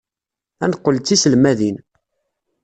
Ad neqqel d tiselmadin.